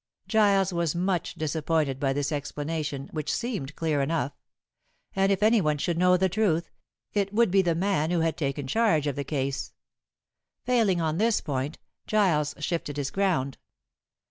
Giles was much disappointed by this explanation, which seemed clear enough. And if any one should know the truth, it would be the man who had taken charge of the case. Failing on this point, Giles shifted his ground.